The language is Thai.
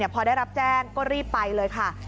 พอได้รับแจ้งก็รีบไปเลยค่ะ